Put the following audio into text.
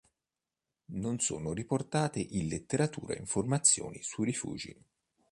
Non sono riportate in letteratura informazioni sui rifugi.